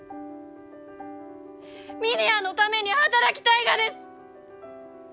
峰屋のために働きたいがです！